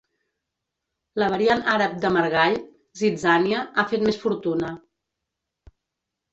La variant àrab de margall —zitzània— ha fet més fortuna.